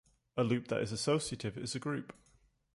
A loop that is associative is a group.